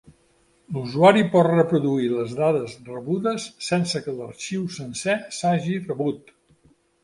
L'usuari pot reproduir les dades rebudes, sense que l'arxiu sencer s'hagi rebut.